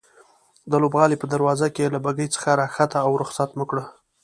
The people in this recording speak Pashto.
د لوبغالي په دروازه کې له بګۍ څخه راکښته او رخصت مو کړه.